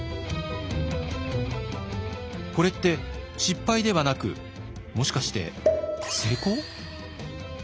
これって失敗ではなくもしかして成功？